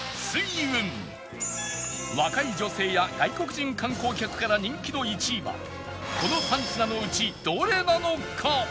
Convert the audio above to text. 若い女性や外国人観光客から人気の１位はこの３品のうちどれなのか？